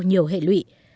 nhiều hệ lụy